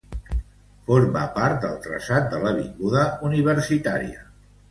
Forma part del traçat de l'avinguda Universitària.